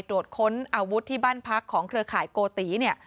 ตรวจค้นอาวุธที่บ้านพักของเครือข่ายโกติเนี่ย